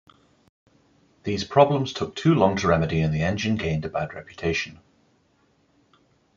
These problems took too long to remedy and the engine gained a bad reputation.